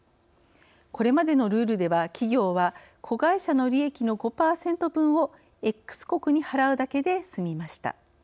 これまでのルールでは企業は、子会社の利益の５％分をＸ国に払うだけで、すみました。